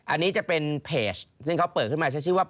อันนี้จะเป็นเพจซึ่งเขาเปิดขึ้นมาใช้ชื่อว่า